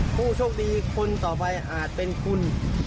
ผู้โชคดีคนต่อไปอาจเป็นคุณ